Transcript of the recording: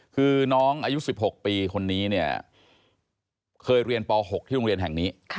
คือน้องอายุ๑๖ปีคนนี้เนี่ยเคยเรียนป๖ที่โรงเรียนแห่งนี้